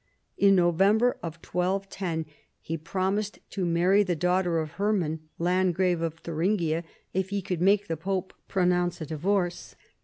In November 1210 he promised to marry the daughter of Hermann, landgrave of Thuringia, if he could make the pope pronounce a divorce.